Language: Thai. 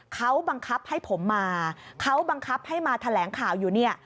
เขาบังคับให้ผมมาเขาบังคับให้มาแถลงข่าวอยู่เนี่ย